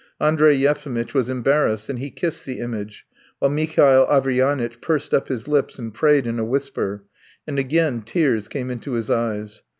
Andrey Yefimitch was embarrassed and he kissed the image, while Mihail Averyanitch pursed up his lips and prayed in a whisper, and again tears came into his eyes.